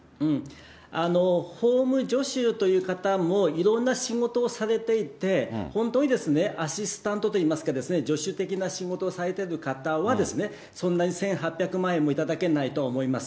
法務助手という方もいろんな仕事をされていて、本当にアシスタントといいますけど、助手的な仕事をされている方は、そんなに１８００万円も頂けないとは思います。